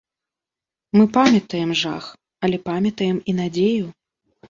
Мы памятаем жах, але памятаем і надзею.